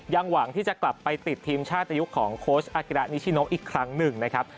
หวังที่จะกลับไปติดทีมชาติในยุคของโค้ชอากิระนิชิโนอีกครั้งหนึ่งนะครับ